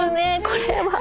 これは。